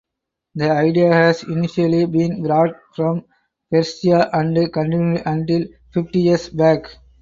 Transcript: The idea has initially been brought from Persia and continued until fifty years back.